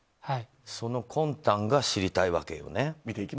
その魂胆が知りたいわけよね。